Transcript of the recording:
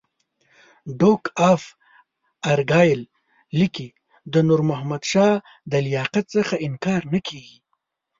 ډوک اف ارګایل لیکي د نور محمد شاه د لیاقت څخه انکار نه کېږي.